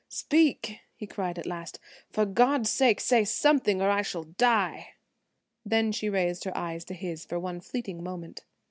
"Speak!" he cried at last, "for God sake say something or I shall die!" Then she raised her eyes to his for one fleeting moment.